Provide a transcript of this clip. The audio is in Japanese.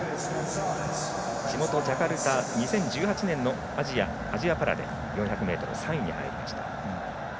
地元ジャカルタ、２０１８年のアジアパラで４００ｍ３位に入りました。